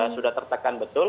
sudah tertekan betul